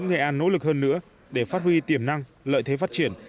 nghệ an nỗ lực hơn nữa để phát huy tiềm năng lợi thế phát triển